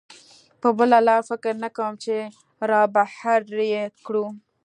په بله لاره فکر نه کوم چې را بهر یې کړو.